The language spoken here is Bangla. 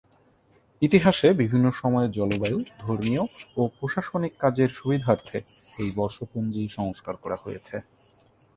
ইতিহাসে বিভিন্ন সময়ে জলবায়ু, ধর্মীয় ও প্রশাসনিক কাজের সুবিধার্থে এই বর্ষপঞ্জী সংস্কার করা হয়েছে।